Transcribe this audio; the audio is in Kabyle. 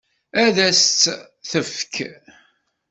Ad s-tt-tefk?